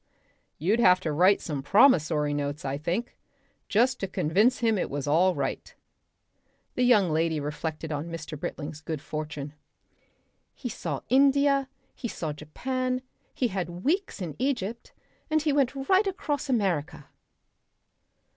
"You'd have to write some promissory notes, I think just to convince him it was all right." The young lady reflected on Mr. Britling's good fortune. "He saw India. He saw Japan. He had weeks in Egypt. And he went right across America."